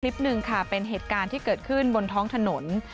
คลิปหนึ่งค่ะเป็นเหตุการณ์ที่เกิดขึ้นบนท้องถนน